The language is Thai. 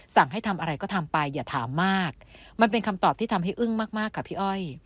สั่งให้ทำอะไรก็ทำไปอย่าถามมากมันเป็นคำตอบที่ทำให้อึ้งมากค่ะพี่อ้อย